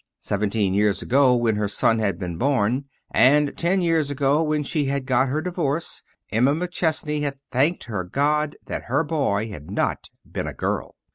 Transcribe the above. Seventeen years ago, when her son had been born, and ten years ago, when she had got her divorce, Emma McChesney had thanked her God that her boy had not been a girl.